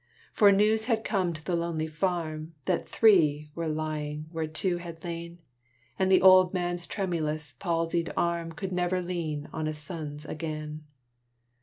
For news had come to the lonely farm That three were lying where two had lain; And the old man's tremulous, palsied arm Could never lean on a son's again.